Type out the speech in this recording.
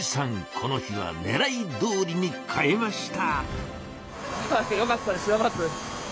この日はねらいどおりに買えました。